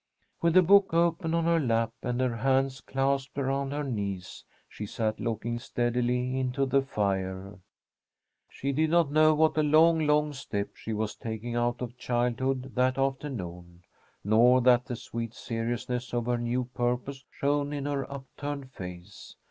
With the book open on her lap, and her hands clasped around her knees, she sat looking steadily into the fire. She did not know what a long, long step she was taking out of childhood that afternoon, nor that the sweet seriousness of her new purpose shone in her upturned face.